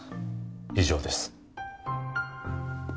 以上です。